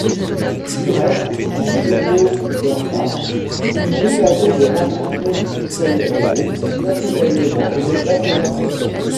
Du reste, Cícero Dantas eut l’occasion de rencontrer Conselheiro personnellement et nota ses impressions.